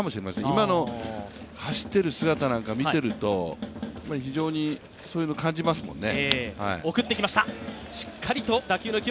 今の走ってる姿なんか見てると、非常にそういうの感じますもんね。